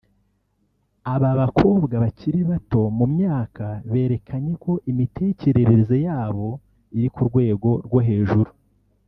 aba bakobwa bakiri bato mu myaka berekanye ko imitekerereze yabo iri ku rwego rwo hejuru